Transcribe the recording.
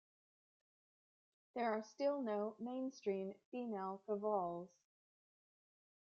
There are still no mainstream female qawwals.